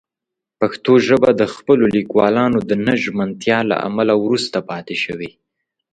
پښتو ژبه د خپلو لیکوالانو د نه ژمنتیا له امله وروسته پاتې شوې.